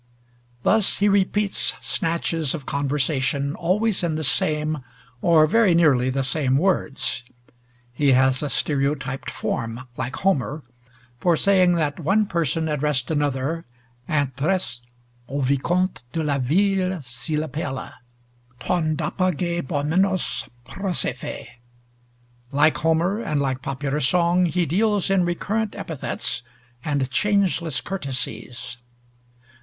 Thus he repeats snatches of conversation always in the same, or very nearly the same words. He has a stereotyped form, like Homer, for saying that one person addressed another, "ains traist au visconte de la vile si l'apela" [Greek text] ... Like Homer, and like popular song, he deals in recurrent epithets, and changeless courtesies.